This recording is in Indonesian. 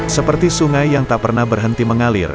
seperti sungai yang tak pernah berhenti mengalir